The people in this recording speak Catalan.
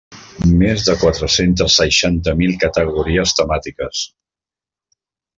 Més de quatre-centes seixanta mil categories temàtiques.